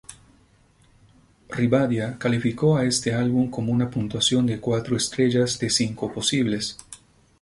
Rivadavia calificó a este álbum con una puntuación de cuatro estrellas de cinco posibles.